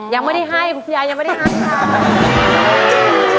ยังไม่ได้ให้คุณยายยังไม่ได้ให้ค่ะ